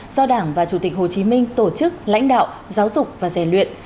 do đảng và chủ tịch hồ chí minh tổ chức lãnh đạo giáo dục và rèn luyện